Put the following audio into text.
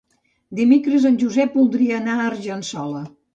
Dimecres en Josep voldria anar a Argençola.